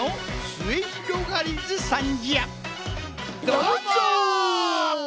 どうも！